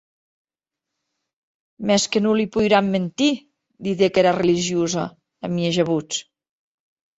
Mès que non li poiram mentir, didec era religiosa, a mieja votz.